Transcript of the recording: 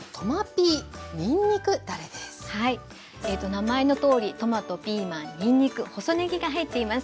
名前のとおりトマトピーマンにんにく細ねぎが入っています。